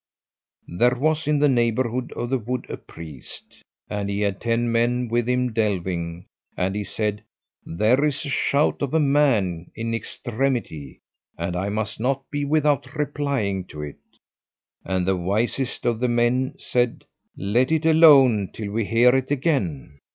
"There was in the neighbourhood of the wood a priest, and he had ten men with him delving, and he said, 'There is a shout of a man in extremity and I must not be without replying to it.' And the wisest of the men said, 'Let it alone till we hear it again.'